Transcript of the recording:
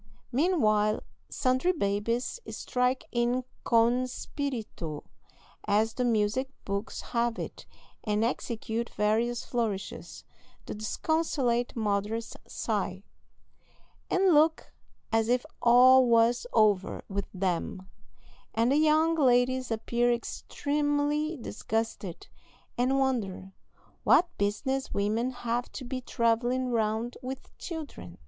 Meanwhile sundry babies strike in con spirito, as the music books have it, and execute various flourishes; the disconsolate mothers sigh, and look as if all was over with them; and the young ladies appear extremely disgusted, and wonder "what business women have to be travelling round with children."